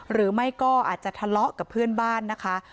หรือไม่ก็อาจจะทะเลาะกับเพื่อนบ้านนะคะ